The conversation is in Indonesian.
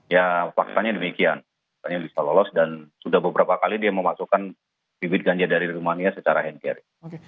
ya faktanya demikian banyak bisa lolos dan sudah beberapa kali dia memasukkan bibit ganja dari rumania secara hand care